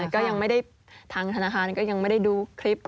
ก็ยังไม่ได้ทางธนาคารก็ยังไม่ได้ดูคลิป